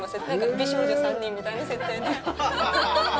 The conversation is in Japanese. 美少女３人みたいな設定で。